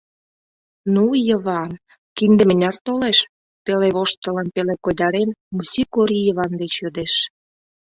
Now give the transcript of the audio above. — Ну, Йыван, кинде мыняр толеш? — пеле воштылын, пеле койдарен, Муси Кори Йыван деч йодеш.